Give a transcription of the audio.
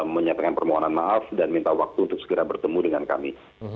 menyatakan permohonan maaf dan minta waktu untuk segera bertemu dengan kami